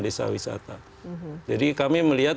desa wisata jadi kami melihat